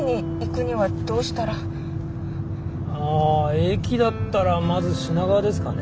駅だったらまず品川ですかね。